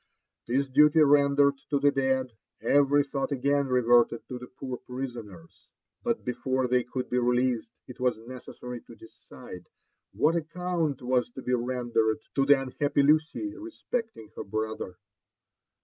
This duty rendered to the dead, every thought again reverted to the poor prisoners. But before they could be released, it was necessary to decide what account was to be rendered to the unhappy Lucy re specting her brother.